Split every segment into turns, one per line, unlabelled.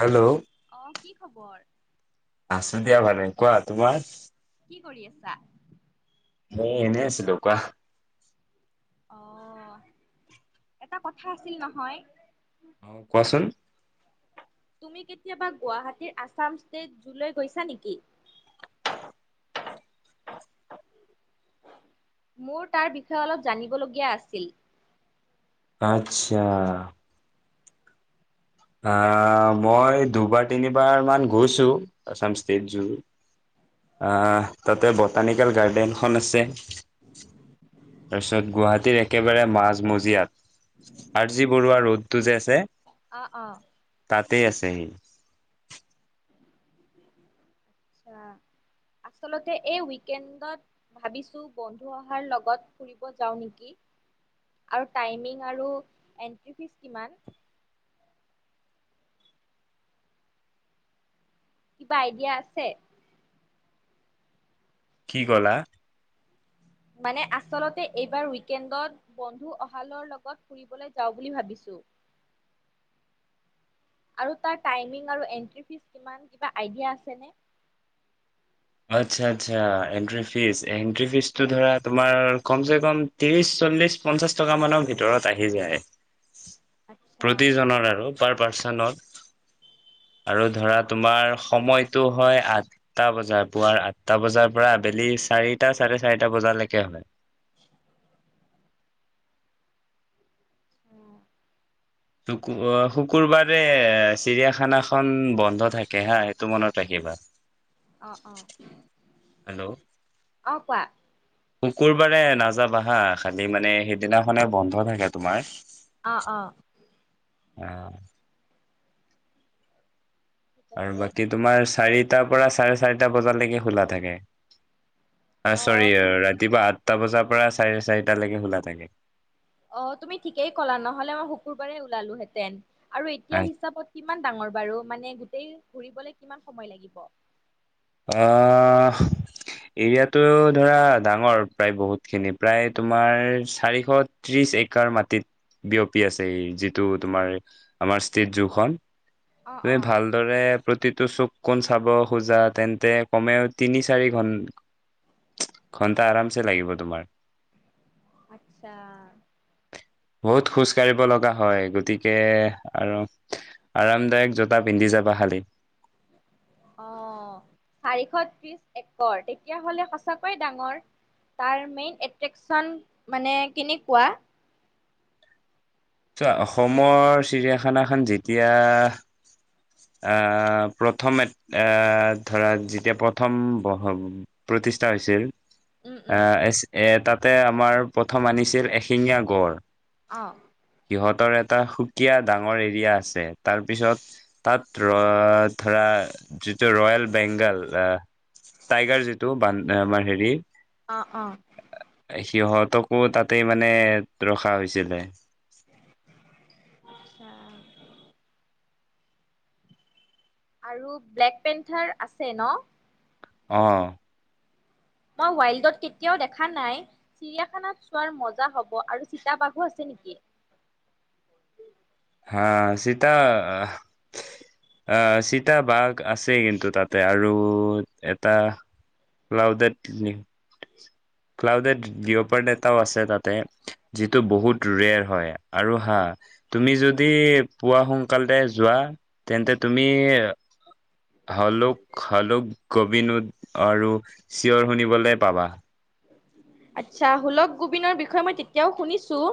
Hello
অ' কি খবৰ?
আছো দিয়া ভালে কোৱা তোমাৰ
কি কৰি আছা?
ন এনে আছিলো কোৱা।
অহ ', এটা কথা আছিল নহয়?
অহ ', কোৱাচোন?
তুমি কেতিয়াবা গুৱাহাটীৰ আছাম ষ্টেট জুলৈ গৈছা নেকি। মোৰ তাৰ বিষয়ে অলপ জানিবলগীয়া আছিল।
আচ্ছা। আহ ', মই দুবাৰ তিনিবাৰ মান গৈছো আছাম ষ্টেট জু। আহ', তাতে বটানিকেল গাৰ্ডেনখন আছে তাৰপিছত গুৱাহাটীৰ একেবাৰে মাজমজিয়াত আৰ জি বৰুৱা ৰোদটো যে আছে।
অহ - অহ
তাতেই আছে হি
আঁচ্ছা আচলতে এই উইকেণ্ডত ভাবিছোঁ বন্ধু অহাৰ লগত ফুৰিব যাওঁ নেকি আৰু টাইমিং আৰু এন্ট্ৰি ফিজ কিমান। কিবা আইডিয়া আছে।
কি কলা?
মানে আছলতে এইবাৰ ৱিইকেণ্ডত বন্ধু অহলৰ লগত ফুৰিবলৈ যাওঁ বুলি ভাবিছোঁ। আৰু তাৰ টাইমিং আৰু এন্ট্ৰী ফিছ কিমান কিবা আইডিয়া আছে নে?
আচ্ছা- আচ্ছা এণ্ট্ৰি ফিজ - এন্ট্ৰি ফিজতটো ধৰা তোমাৰ কমচে কম ত্ৰিশ চল্লিশ পঞ্চাশ টকা মানৰ ভিতৰত আহি যায়।
আচ্ছা
প্ৰতিজনৰ আৰু। পাৰ পাৰ্চনত আৰু ধৰা তোমাৰ সময়তটো হয় আঠটা বজাৰ। পুৱাৰ আঠটা বজাৰ পৰা আবেলি চাৰিটা চাৰে চাৰিটা বজালৈকে হয়।
অহ ',
শুকুৰবাৰে চিৰিয়াখানাখন বন্ধ থাকে হা সেইটো মনত ৰাখিবা।
অহ - অহ
হেল্ল'
অহ ', কোৱা?
শুকুৰবাৰে নাযাবা হা খালি মানে সেইদিনাখনে বন্ধ থাকে তোমাৰ।
অ অ
অহ ',
ঠিক
আৰু
আছে
বাকী তোমাৰ চাৰ। আটাৰ পৰা চাৰে চাৰিটা বজালৈকে খোলা থাকে। অহ ',
অ
চৰি
তুম
ৰাতিপুৱা আ সাতটা বজাৰ পৰা চাৰে চাৰিটালৈকে খোলা থাকে।
অহ ', তুমি ঠিকেই ক'লা নহ'লে মই শুকুৰবাৰে ওলালোহেতেন। আৰু এতিয়া হিচাপত কিমান ডাঙৰ বাৰু মানে গোটেই। ঘুৰিবলে কিমান সময় লাগিব।
আহ ', এৰিয়াাতটো ধৰা ডাঙৰ প্ৰায় বহুতখিনি প্ৰায় তোমাৰ চাৰিশ ত্ৰিশ এককাৰ মাটিত বিয়পি আছে যিটো তোমাৰ আমাৰ ষ্টিত জোখন।
অ
তুমি
অ
ভালদৰে। প্ৰতিটো চুক কোন চাব খোজাত। তেন্তে কমেও তিনি চাৰি ঘ ঘণ্টা আৰামছে লাগিব তোমাৰ।
আচ্ছা।
বহুত খোজ কাঢ়িব লগা হয় গতিকে আৰু আৰামদায়ক জোতা পিন্ধি যাবা খালি।
অহ ', চাৰিশ ত্ৰিশ একৰ তেতিয়াহ'লে সঁচাকৈয় ডাঙৰ। তাৰ মেইন এট্ৰেকচন মানে কেনেককুৱা?
চোৱা অসমৰ চিৰিয়াখানাখন যেতিয়া আহ ', প্ৰথমে আহ ', ধৰা যেতিয়া প্ৰথম প্ৰতিষ্ঠা হৈছিল।
উম উম
আহ ', এ, তাত তাতে আমাৰ প্ৰথম আনিছিল এশিঙীয়া গড়
অঁ
সিহঁতৰ এটা সুকীয়া ডাঙৰ এৰিয়া আছে তাৰ পিছত তাত ৰ, ধৰা যিটো ৰয়েল বেংগাল টাইগাৰ যিটো বান আমাৰ হেৰি
অ অ
সিহঁতক আকৌ তাতেই মানে, ৰখা হৈছিলে।
[inaudible] আচ্ছা। আৰু ব্লেক পেন্থাৰ আছে ন?
অহ
মই ৱাইল্ডত কেতিয়াও দেখা নাই চিৰিয়াখানাত চোৱাৰ মজা হ'ব আৰু চিতা বাঘো আছে নেকি?
আ চিতা অ চিতা বাঘ আছেই কিন্তু তাতে আৰু এটা ক্লাউডেড, ক্লাউডেড ডিঅ পইণ্ট এটাও আছে তাতে যিটো বহুত ৰেয়ৰ হয় আৰু হা, তুমি যদি যদি পুৱা সোনকালে, যোৱা তেন্তে তুমি হালুক হালুক গ বিনোদ আৰু চিঞৰ শুনিবলৈ পাবা
আচ্ছা হোলক গোবিনৰ বিষয়ে মই তেতিয়াও শুনিছোঁ,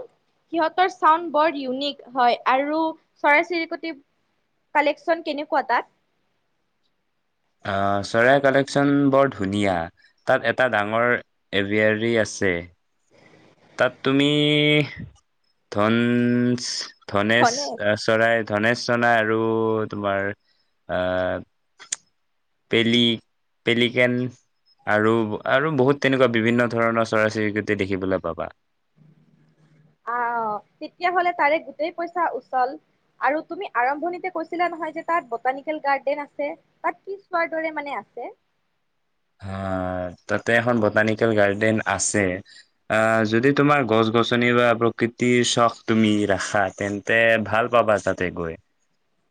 সিহঁতৰ চাউণ্ড বৰ ইউনিক হয় আৰু চৰাই চিৰিকটিৰ কালেকন কেনেকুৱা তাত?
অঁ চৰাইৰ কালেকচন, বৰ ধুনীয়া তাত এটা ডাঙৰ এভৰী আছে। [inaudible] তাত তুমি এ, ধনশ ধনেশ
হয়নে?
চৰাই ধনেশ চনাই আৰু তোমাৰ পেলি, পেলিকেন আৰু আৰু বহুত তেনেকুৱা বিভিন্ন ধৰণৰ চৰাই চিৰিকটি দেখিবলৈ পাবা।
আহ তেতিয়া হলে তাৰে গোটেই পইচা উচল আৰু তুমি আৰম্ভণিতে কৈছিলা নহয় যে তাত বটানিকেল গাৰ্ডেন আছে তাত কি চোৱাৰ দৰে মানে আছে।
আহ তাতে এখন বটানিকেল গাৰ্ডেন আছে, আহ যদি তোমাৰ গছ গছনি বা প্ৰকৃতিৰ চখ তুমি ৰাখা, তেন্তে ভাল পাবা তাতে গৈ।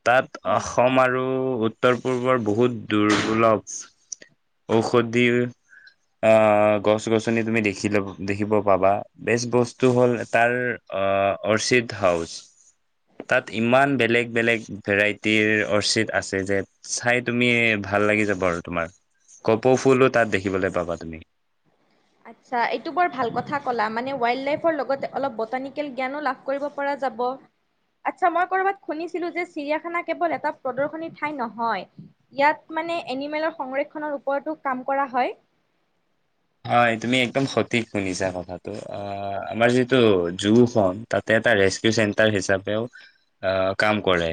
তাত
অ'।
অসম আৰু উ উত্তৰ-পূৰ্বৰ বহুত দুৰ্লভচ ঔষধিৰ, আহ গছ-গছনি তুমি দেখি লব দেখিব পাবা বেষ্ট বস্তু হ'ল তাৰ আহ অৰ্চিড হাউচ, তাত ইমান বেলেগ বেলেগ ভেৰাইটিৰ অৰ্চিড আছে যে চাই তুমি ভাল লাগি যাব আৰু তোমাৰ। কপৌ ফুলো তাত দেখিবলৈ পাবা তুমি।
আচ্ছা এইটো বৰ ভাল কথা ক'লা মানে ৱাইল্ড লাইফৰ লগ অলপ বটানিকেল জ্ঞানো লাভ কৰিব পৰা যাব, আচ্ছা ম শুছিলো যে চিৰিয়াখানা কেল এটা প্ৰদৰ্শনী ঠাই নহয় ইয়াত মানে এনিমেলৰ সংৰক্ষণৰ ওপৰতো কাম কৰা হয়।
হয় তুমি একদম সঠিক শুনিছা কথাটো, অ আমাৰ যিটো জু খন তাতে এটা ৰেচকিউ চেণ্টাৰ হিচাপেও আহ কাম কৰে।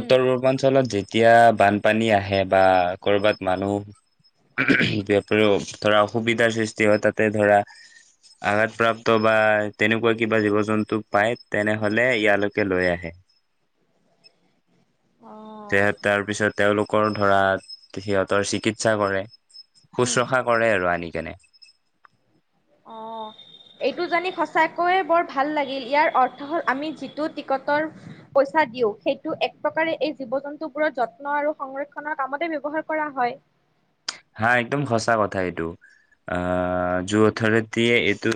উম
পূৰ্বাঞ্চলত যে এতিয়া বানপানী আহে বা কৰ'বাত মানুহ, [unintelligible] ধৰা সুবিধাৰ সৃষ্টি হয় তাতে ধৰা আঘাতপ্ৰাপ্ত বা তেনেকুৱা কিবা জীৱ জন্তু পায় তেনেহলে ইয়ালৈকে লৈ আহে।
অ
স তাৰ পিছত তেওঁলোকৰ ধৰা সিহঁতৰ চিকিৎসা কৰে।
উম
শুশ্ৰূষা কৰে আৰু আনি তেনে
অঁ এইটো জানি সচাকৈয়ে বৰ ভাল লাগিল ইয়াৰ অৰ্থ হ'ল আমি যিটো টিকটৰ পইচা দিওঁ সেইটো এক প্ৰকাৰে এই জীৱ জন্তুবোৰৰ যত্ন আৰু সংৰক্ষনৰৰ কামতে ব্যৱহাৰ কৰা হয়।
হা একদম সঁচা কথা এইটো, আহ যু অথৰিটিয়ে এইটো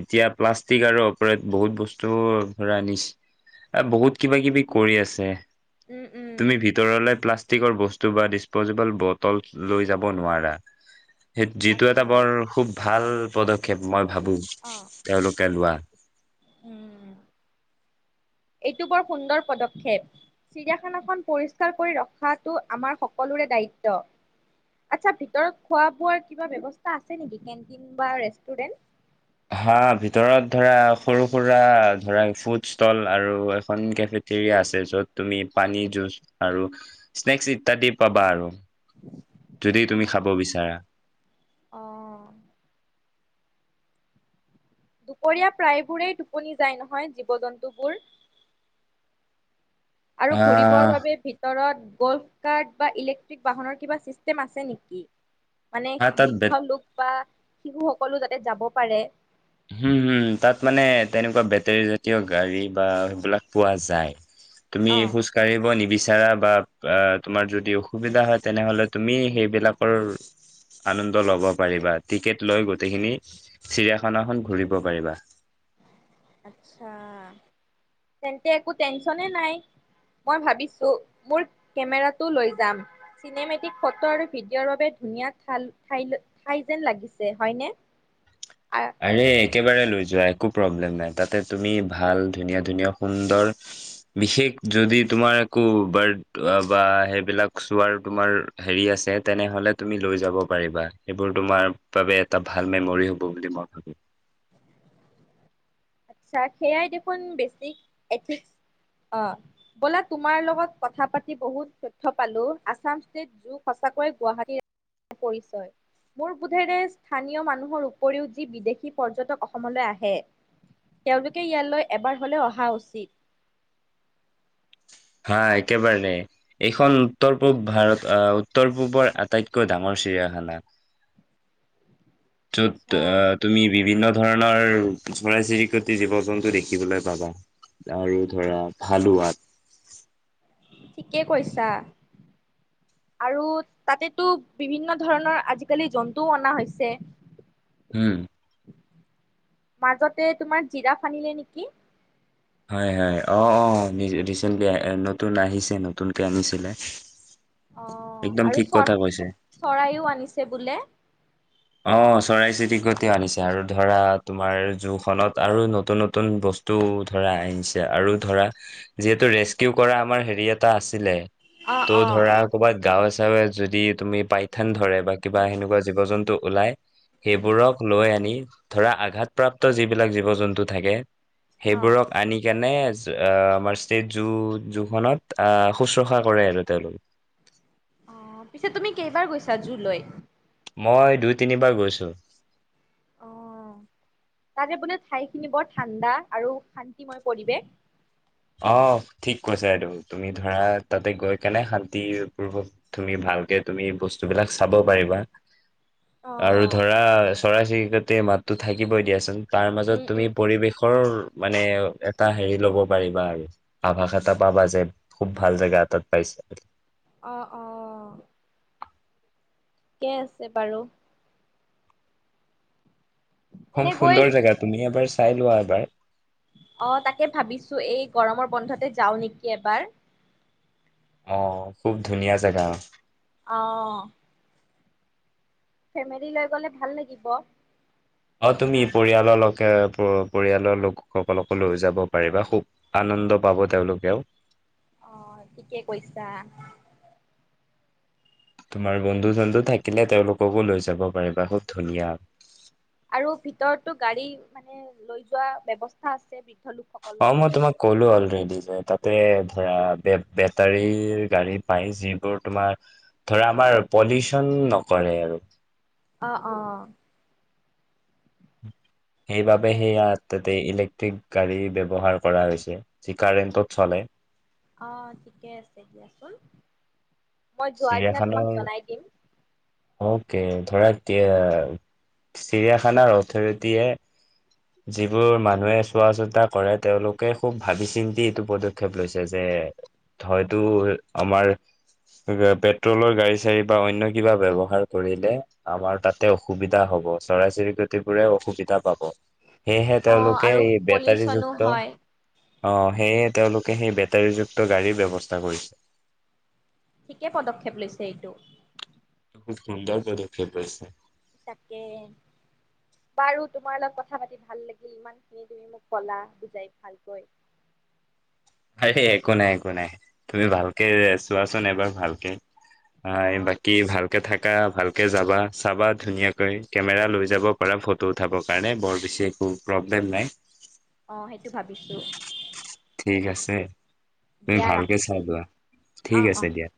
এতিয়া প্লাষ্টিক আৰু ওপৰে বহুত বস্তু ধৰা আনিছে বহুত কিবা কিবি কৰি আছে।
উম উম
তুমি ভিতৰলে প্লাচ ষ্টিকৰ বস্তু বা ডিছপ'জিবল বটল লৈ যাব নোৱাৰা। সেই যিটো এটা
আচ্ছা
বৰ খুব ভাল ভাল পদ -ক্ষেপ মই ভাবো
অঁ
তেওঁলোকে লোৱা
উম এইটো বৰ সুন্দৰ পদক্ষেপ চিৰিয়াখানাখন পৰিষ্কাৰ কৰি ৰখাটো আমাৰ সকলোৰে দায়িত্ব। আচ্ছা ভিতৰত খোৱা বোৱাৰ কিবা ব্যৱস্থা আছে নেকি কেণ্টিন বা ৰেষ্টুৰেণ্ট
হা ভিতৰত ধৰা সৰু সুৰা ধৰা ফুড ষ্টল আৰু এখন কেফেটৰিয়া আছে য'ত তুমি পানী জুচ আৰু স্নেক্স ইত্যাদি পাবা আৰু যদি তুমি খাব বিচাৰা
অহ দুপৰীয়া প্ৰায়বোৰেই টোপনি যায় নহয় জীৱ জন্তুবোৰ আৰু ঘুৰিবৰ
আহ
বাবে ভিতৰত গ'ল্ফ কাৰ্ড বা ইলেক্ট্ৰিক বাহনৰ কিবা ছিষ্টেম আছে নেকি? মানে
হা তাত বে
বৃদ্ধ লোক বা শিশু সকলো যাতে যাব পাৰে
হম হম তাত মানে তেনেকুৱা বেটেৰী জাতীয় গাড়ী বা সেইবিলাক পোৱা যায় তুমি
অ'।
খোজ কাঢ়িব নিবিচাৰ নিবিচাৰা বা তোমাৰ যদি অসুবিধা হয় তেনেহলে তুমি সেইবিলাকৰ আনন্দ‌ লব পাৰিবা টিকেট লৈ গোটেইখিনি চিৰিয়াখানা খানাখন ঘূৰিব পাৰিবা
আচ্ছা তেন্তে একো টেনচনে নাই, মই ভাবিছো মোৰ কেমেৰাটো লৈ যাম চিনেমেটিক ফটো আৰু ভিডিঅ'ৰ বাবে ধুনীয়া ঠাল ঠাই যেন লাগিছে। হয়নে?
আৰে একেবাৰে লৈ যোৱা যোৱা একো প্ৰব্লেম নাই তাতে তুমি ভাল ধুনীয়া ধুনীয়া সুন্দৰ বিশেষ যদি তোমাৰ একো বাৰ্ড বা সেইবিলাক চোৱাৰ তোমাৰ হেৰি আছে তেনেহলে তুমি লৈ যাব পাৰিবা। সেইবোৰ তোমাৰ বাবে এটা ভাল মেমৰি হ'ব বুলি মই ভাবো
আচ্ছা সেয়াই দেখোন বেচিক এথিক অহ ব'লা তোমাৰ লগত কথা পাতি বহুত তথ্য পালো আচাম ষ্টেট জু সঁচাকৈয়ে গুৱাহাটী [unintelligible] পৰিচয় মোৰ বোধেৰে স্থানীয় মানুহৰ উপৰিও যি বিদেশী পৰ্যটক অসমলৈ আহে তেওঁলোকে ইয়ালৈ এবাৰ হলেও অহা উচিত
হা একেবাৰে এইখন উত্তৰ পূব ভাৰত অহ উত্তৰ পূৱৰ আটাইতকৈ ডাঙৰ চিৰিয়াখানা
আচ্ছা
য'ত তুমি বিভিন্ন ধৰণৰ চৰাই চিৰিকটি জীৱ-জন্তু দেখিবলৈ পাবা আৰু ধৰা ভালু
ঠিকে কৈছা আৰু তাতেতো বিভিন্ন ধৰণৰ আজিকালি জন্তুও অনা হৈছে
হম
মাজতে তোমাৰ জিৰাফ আনিলে নেকি?
হয় হয় অহ অহ ৰিচেণ্টলি নতুন আহিছে
অহ
একদম
আৰু
ঠিক
চৰা
কথা কৈছে
চৰাইও আনিছে বোলে?
অহ চৰাই-চিৰিকটিও আনিছে আৰু ধৰা তোমাৰ জুখনত আৰু নতুন নতুন বস্তু ধৰা আনিছে আৰু ধৰা যিহেতু ৰেস্কিউ কৰা আমাৰ হেৰি এটা
অ
তহ
অ
ধৰা ক'বাত গাঁৱে- - গাৱে-চাৱে যদি তুমি পাইথান ধৰে বা কিবা
উম
সেনেকুৱা জীৱ- জন্তু ওলায় সেইবোৰক লৈ আনি ধৰা আঘাতপ্ৰাপ্ত যিবিলাক জীৱ -জন্তু থাকে
অ
সেইবোৰক আনি কেনে আমাৰ ষ্টেট জু জুখনত আহ শুশ্ৰূষা কৰে আৰু তেওঁলোকে
অহ পিছে তুমি কেইবাৰ গৈছা জু লৈ?
মই দুই তিনিবাৰ গৈছোঁ।
অঁ, তাতে বোলে ঠাইখিনি বৰ ঠাণ্ডা আৰু শান্তিময় পৰিৱেশ।
আহ, ঠিক কৈছা এটো। তুমি ধৰা, তাতে গৈ কেনে শান্তিপূৰ্বক তুমি ভালকে তুমি বস্তুবিলাক চাব পাৰিবা। আৰু ধৰা চৰাই চিৰিকত গোটেই মাততো থাকিবই দিয়াচোন। তাৰ মাজত
উম
তুমি
উম।
পৰিৱেশৰ মানে এ এটা হেৰি ল'ব। পাৰিবা আৰু। আভাস এটা পাবা যে খুব ভাল জেগা এটাত পাইছে।
অঁ, অঁ। থিকেই আছে বাৰু।
খুব
এনে গৈ
সুন্দৰ জেগা, তুমি এবাৰ। চাই লোৱা এবাৰ।
অ', তাকে ভাবিছো। এই গৰমৰ বন্ধতে যাওঁ নেকি এবাৰ।
অ, খুব ধুনীয়া জেগা।
অহ ফেমিলি লৈ গ'লে ভাল লাগিব।
অ তুমি পৰিয়ালৰ লকে পৰিয়ালৰ লোকসকলকো লৈ যাব পাৰিবা, খুব আনন্দ পাব তেওঁলোকেও।
অহ ঠিকে কৈছা।
তোমাৰ বন্ধু ছন্ধু থাকিলে তেওঁলোককো লৈ যাব পাৰিবা, খুব ধুনীয়া।
আৰু ভিতৰতো গাড়ী মানে, লৈ যোৱা ব্যৱস্থা আছে নেকি?
অ মই তোমাক ক'লো অলৰেডি যে, তাত। তে ধৰা, বেটাৰী গাড়ী পায় যিবোৰ তোমাৰ ধৰা, আমাৰ পলিউচন নকৰে আৰু।
অহ অ।
উম সেই বাবে
ঠিকে
সেয়া,
আছে
তাতে ইলেক ঠিক
অ', ঠিকেই আছে দিয়াচোন। মই যোৱাৰ দিনা তোমাক
চিৰিয়াখানও,
জনাই দিম।
অওকে। ধৰা এতিয়া, চিৰিয়াখানাৰ অথৰিটিটে যিবোৰ মানুহে চোৱা চিতা কৰে তেওঁলোকে খুব ভাবি চিন্তি এইটো পদক্ষেপ লৈছে যে হয়তো আমাৰ। পেট্ৰলৰ গাড়ী চাড়ী বা অন্য কিবা ব্যৱহাৰ কৰিলে আমাৰ তাতে অসুবিধা হব। চৰাই চিৰিকটিবোৰে অসুবিধা পাব। সেয়েহে
অ'
তেওঁলোকে
আৰু
এই
পলিউচনো
বেটাৰীযুক্ত।
হয়,
অ সেয়ে তেওঁলোকে সেই বেটাৰীযুক্ত গাড়ীৰ ব্যৱস্থা কৰিছে।
ঠিকে পদক্ষেপ লৈছে এইটো।
খুব সুন্দৰ পদক্ষেপ লৈছে।
তাকে, বাৰু তোমাৰ লগত কথা পাতি ভাল লাগিল। ইমান খিনি তুমি মোক কলা বুজাই ভালকৈ।
সে একো নাই, একো নাই। তুমি ভালকে চোৱাচোন এবাৰ ভালকে। হয়,
অ',
বাকী ভাল। ভালকে থাকা, ভালকে যাবা চাবা ধুনীয়াকৈ, কেমেৰা লৈ যাব পাৰা ফটো উঠাবৰ কাৰণে বৰ বেছি একো প্ৰব্লেম নাই।
অ সেইটো ভাবিছো।
ঠিক আছে। তুমি ভালকে চাই
ৰাখিছোঁ।
লোৱা, ঠিক
অ', অ'।
আছে দিয়া।